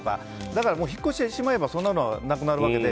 だから引っ越してしまえばそんなのなくなるわけで。